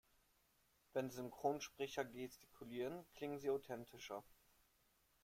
Wenn Synchronsprecher gestikulieren, klingen sie authentischer.